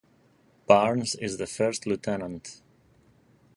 Barnes is the first Lt.